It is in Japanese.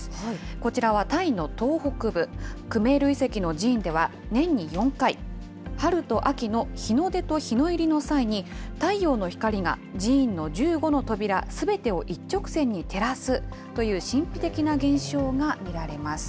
こちらはタイの東北部、クメール遺跡の寺院では年に４回、春と秋の日の出と日の入りの際に、太陽の光が、寺院の１５の扉すべてを一直線に照らすという神秘的な現象が見られます。